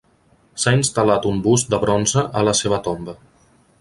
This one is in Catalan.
S'ha instal·lat un bust de bronze a la seva tomba.